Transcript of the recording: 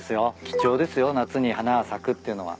貴重ですよ夏に花が咲くっていうのは。